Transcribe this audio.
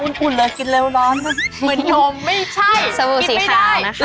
เหมือนดมไม่ใช่กินไม่ได้